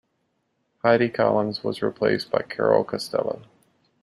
Heidi Collins was replaced by Carol Costello.